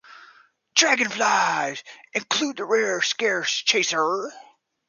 Dragonflies include the rare scarce chaser.